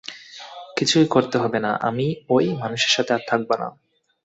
কিছুই করতে হবে না, আমি ওই মানুষের সাথে আর থাকবো না।